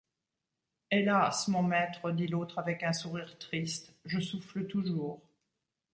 Hélas, mon maître, dit l’autre avec un sourire triste, je souffle toujours.